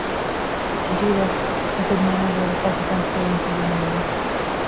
To do this a good manager with technical experience would be needed.